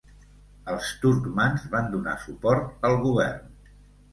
Els turcmans van donar suport al govern.